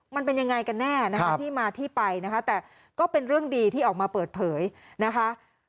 มันเป็นยังไงกันแน่นะคะที่มาที่ไปนะคะแต่ก็เป็นเรื่องดีที่ออกมาเปิดเผยนะคะ